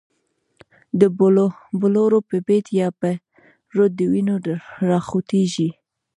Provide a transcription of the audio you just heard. د بلورو په بید یا به، رود د وینو را خوټیږی